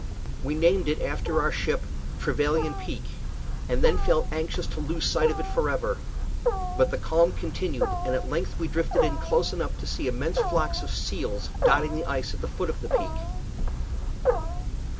We named it, after our ship, Trevelyan Peak, and then felt anxious to lose sight of it forever. But the calm continued, and at length we drifted in close enough to see immense flocks of seals dotting the ice at the foot of the peak.